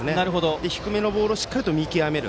そして低めのボールをしっかり見極める。